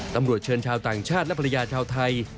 ตำรวจเชิญชาวต่างชาติและภรรยาชาวไทย